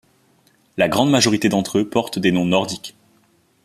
La grande majorité d'entre eux portent des noms nordiques.